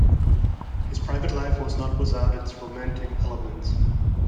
His private life was not without its romantic elements.